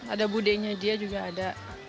ada budenya dia juga ada